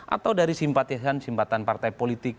atau dari simpatisan simpatan partai politik